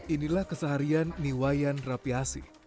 inilah keseharian niwayan rapiasi